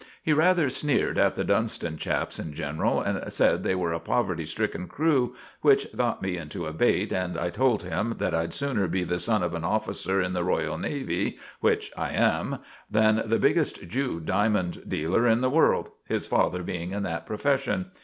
He rather sneered at the Dunston chaps in general, and said they were a poverty stricken crew; which got me into a bate, and I told him that I'd sooner be the son of an officer in the Royal Navy, which I am, than the biggest Jew diamond dealer in the world, his father being in that profession.